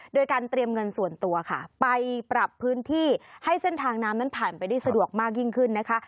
โดยการเตรียมเงินส่วนตัวค่ะไปปรับพื้นที่ให้เส้นทางน้ำนั้นผ่านไปได้สะดวกมากยิ่งขึ้นนะคะ